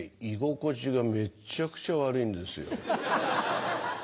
居心地がめっちゃくちゃ悪いんですよ。